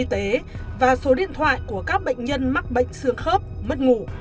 thế và số điện thoại của các bệnh nhân mắc bệnh xương khớp mất ngủ